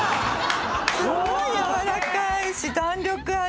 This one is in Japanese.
すごいやわらかいし弾力ある。